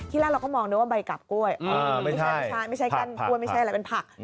แรกเราก็มองด้วยว่าใบกาบกล้วยไม่ใช่กั้นกล้วยไม่ใช่อะไรเป็นผัก